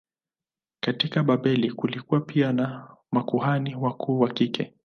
Katika Babeli kulikuwa pia na makuhani wakuu wa kike.